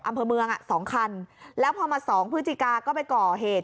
อำเภอเมืองอ่ะ๒คันแล้วพอมา๒พื้นที่กาก็ไปก่อเหตุ